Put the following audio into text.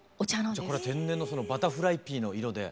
じゃあこれは天然のバタフライピーの色で。